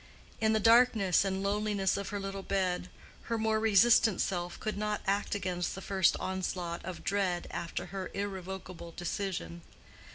In the darkness and loneliness of her little bed, her more resistant self could not act against the first onslaught of dread after her irrevocable decision.